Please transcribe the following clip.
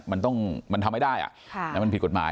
มันทำไม่ได้มันผิดกฎหมาย